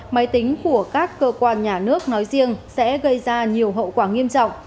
máy tính của các cơ quan nhà nước nói riêng sẽ gây ra nhiều hậu quả nghiêm trọng